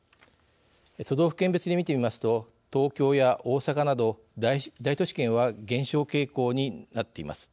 都道府県別に見てみますと東京や大阪など大都市圏は減少傾向になっています。